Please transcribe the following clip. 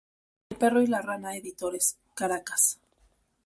El Perro y la Rana Editores, Caracas.